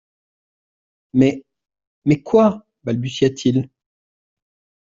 Mais … —Mais, quoi ?…» balbutia-t-il.